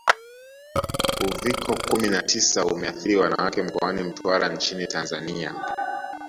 Uviko kumi na tisa umeathiri Wanawake mkoani Mtwara nchini Tanzania